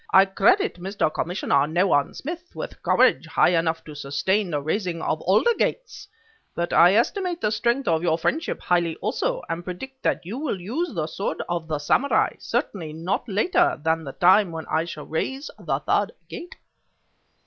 "I credit Mr. Commissioner Nayland Smith with courage high enough to sustain the raising of all the gates; but I estimate the strength of your friendship highly, also, and predict that you will use the sword of the samurai certainly not later than the time when I shall raise the third gate...."